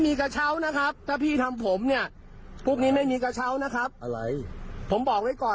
สอนออกของตันไงเมี่ยไม่มีกระเช้านะครับ